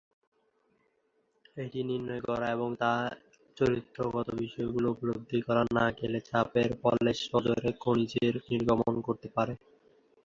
এটি নির্ণয় করা এবং তার চরিত্রগত বিষয়গুলো উপলব্ধি করা না গেলে চাপের ফলে সজোরে খনিজের নির্গমন ঘটতে পারে।